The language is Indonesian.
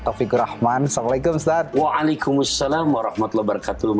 taufiqur rahman assalamualaikum ustadz waalaikumussalam warahmatullah wabarakatuh